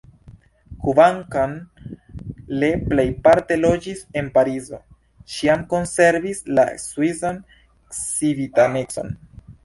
Kvankam le plejparte loĝis en Parizo, ĉiam konservis la svisan civitanecon.